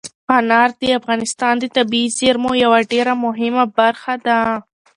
انار د افغانستان د طبیعي زیرمو یوه ډېره مهمه برخه ده.